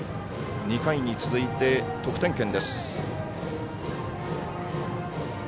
２回に続いて得点圏です。